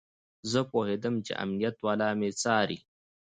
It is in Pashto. زه پوهېدم چې امنيت والا مې څاري.